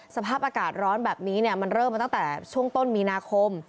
สภาพอากาศร้อนแบบนี้มันเริ่มมาตั้งแต่ช่วงต้นมีนาคม